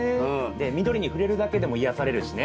で緑にふれるだけでも癒やされるしね。